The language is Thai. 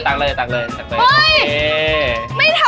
จับเลยจับเลยจับเลยโอเค